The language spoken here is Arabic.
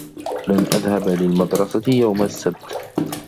لن أذهب للمدرسة يوم السبت.